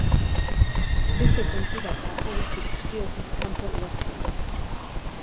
Beste kontu bat da hori fikziotik kanpo lortzea.